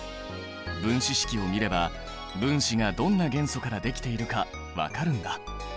分子式を見れば分子がどんな元素からできているか分かるんだ。